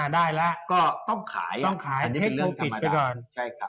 ได้แล้วก็ต้องขายอันนี้เป็นเรื่องธรรมดา